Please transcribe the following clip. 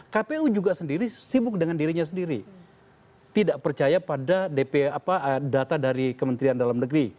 kpu juga sendiri sibuk dengan dirinya sendiri tidak percaya pada data dari kementerian dalam negeri